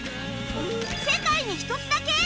世界に一つだけ！？